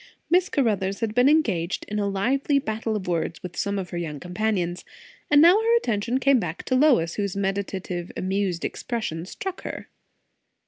Miss Caruthers had been engaged in a lively battle of words with some of her young companions; and now her attention came back to Lois, whose meditative, amused expression struck her.